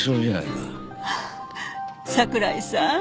桜井さん？